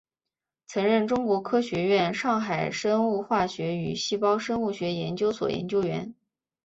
曾任中国科学院上海生物化学与细胞生物学研究所研究员。